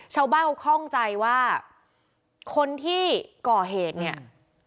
ชาวบ้านเขาคล่องใจว่าคนที่ก่อเหตุเนี่ย